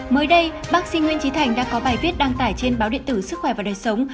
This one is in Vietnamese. mới đây bác sĩ nguyễn trí thành đã có bài viết đăng tải trên báo điện tử sức khỏe và đời sống